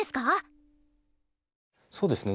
そうですね。